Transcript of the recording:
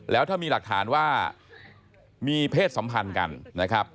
แล้วถ้ามีหลักฐานว่ามีเพศสัมพันธ์กันนะครับ